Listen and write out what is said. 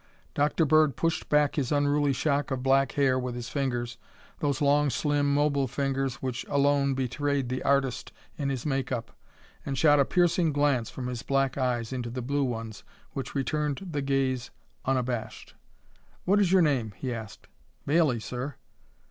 Dr. Bird pushed back his unruly shock of black hair with his fingers, those long slim mobile fingers which alone betrayed the artist in his make up, and shot a piercing glance from his black eyes into the blue ones, which returned the gaze unabashed. "What is your name?" he asked. "Bailley, sir."